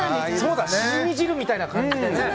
シジミ汁みたいな感じでね。